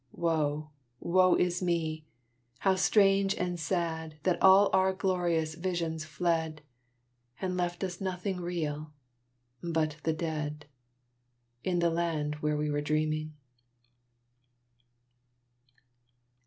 Woe! woe is me! how strange and sad That all our glorious vision's fled, And left us nothing real but the dead, In the land where we were dreaming.